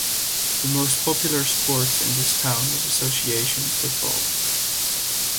The most popular sport in this town is association football.